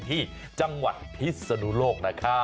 ที่จังหวัดพิสโนโลกนะคะ